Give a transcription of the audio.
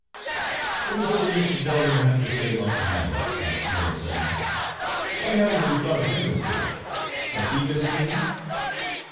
"What does old Mr. Delamere have to say about the matter?" asked Miller suddenly. "Why haven't we thought of him before? Has he been seen?"